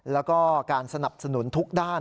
แล้วก็การสนับสนุนทุกด้าน